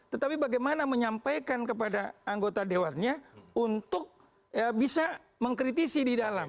tetapi bagaimana menyampaikan kepada anggota dewannya untuk bisa mengkritisi di dalam